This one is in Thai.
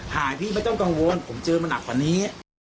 หายพี่ไม่ต้องกังวลผมเจอมันหนักกว่านี้